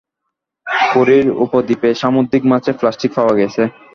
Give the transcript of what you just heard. কোরীয় উপদ্বীপে সামুদ্রিক মাছে প্লাস্টিক পাওয়া গেছে।